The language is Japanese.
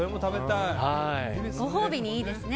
ご褒美に、いいですね。